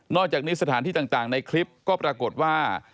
อกจากนี้สถานที่ต่างในคลิปก็ปรากฏว่า